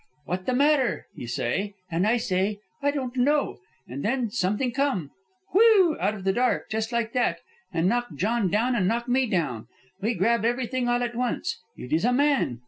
'What the matter?' he say; and I say, 'I don't know.' And then something come, wheugh! out of the dark, just like that, and knock John down, and knock me down. We grab everywhere all at once. It is a man.